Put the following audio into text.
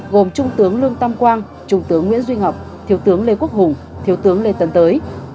gồm trung tướng lương tam quang trung tướng nguyễn duy ngọc thiếu tướng lê quốc hùng thiếu tướng lê tân tới